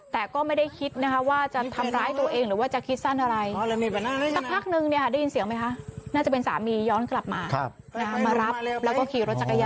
แต่ก็ไม่ได้คิดนะคะว่าจะทำร้ายตัวเองหรือว่าจะคิดสั้นอะไร